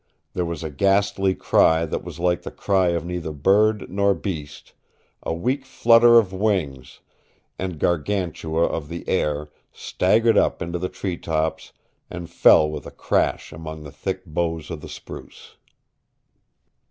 There was a ghastly cry that was like the cry of neither bird nor beast, a weak flutter of wings, and Gargantua of the Air staggered up into the treetops and fell with a crash among the thick boughs of the spruce.